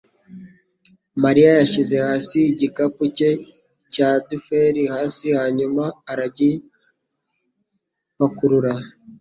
mariya yashyize hasi igikapu cye cya duffel hasi hanyuma aragipakurura